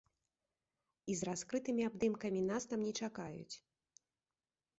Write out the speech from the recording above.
І з раскрытымі абдымкамі нас там не чакаюць.